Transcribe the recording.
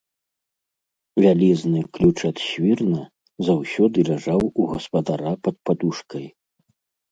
Вялізны ключ ад свірна заўсёды ляжаў у гаспадара пад падушкай.